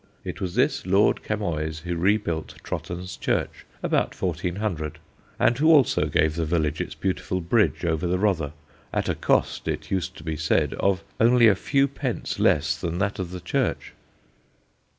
It was this Lord Camoys who rebuilt Trotton's church, about 1400, and who also gave the village its beautiful bridge over the Rother at a cost, it used to be said, of only a few pence less than that of the church.